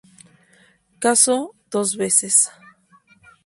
Casó dos veces.